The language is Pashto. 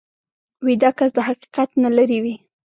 ویده کس د حقیقت نه لرې وي